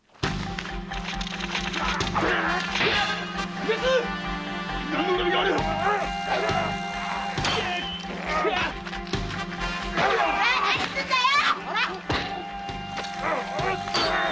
俺に何の恨みがある⁉何すんだよ！